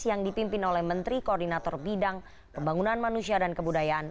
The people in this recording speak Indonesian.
yang dipimpin oleh menteri koordinator bidang pembangunan manusia dan kebudayaan